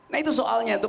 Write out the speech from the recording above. nah itu soalnya itu